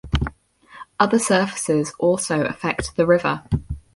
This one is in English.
Other surfaces also affect the river.